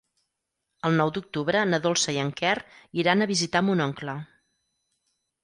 El nou d'octubre na Dolça i en Quer iran a visitar mon oncle.